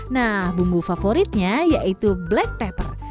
nah bumbu favoritnya yaitu black pepper